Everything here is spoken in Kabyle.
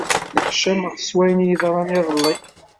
Nneḥcameɣ s wayen i d-yeḍran iḍelli.